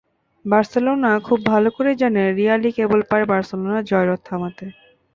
Barcelona খুব ভালো করেই জানে, রিয়ালই কেবল পারে বার্সেলোনার জয়রথ থামাতে।